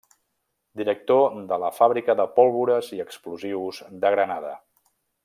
Director de la Fàbrica de Pólvores i Explosius de Granada.